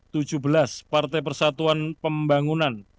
tujuh belas partai persatuan pembangunan